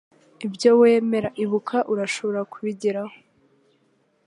Ibyo wemera, ibuka, urashobora kubigeraho. ”